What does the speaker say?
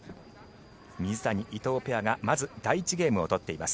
水谷・伊藤ペアがまず第１ゲームを取っています。